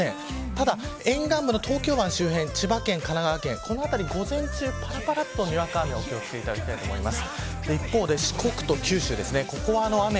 ただ、沿岸部の東京湾周辺千葉県、神奈川県このあたり午前中ぱらぱらと、にわか雨お気を付けていただきたいと思います。